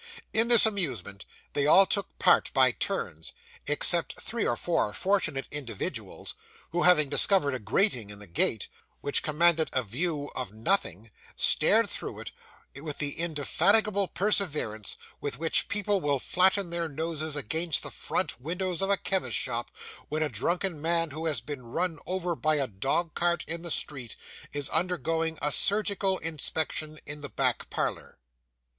In this amusement they all took part by turns, except three or four fortunate individuals, who, having discovered a grating in the gate, which commanded a view of nothing, stared through it with the indefatigable perseverance with which people will flatten their noses against the front windows of a chemist's shop, when a drunken man, who has been run over by a dog cart in the street, is undergoing a surgical inspection in the back parlour.